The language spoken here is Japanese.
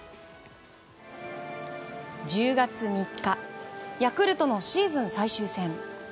１０月３日ヤクルトのシーズン最終戦。